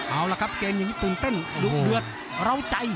เอาละครับเกมอย่างนี้ตื่นเต้นดุเดือดร้าวใจ